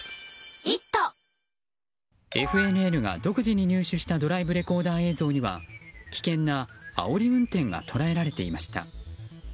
ＦＮＮが独自に入手したドライブレコーダー映像には危険なあおり運転が捉えられていました。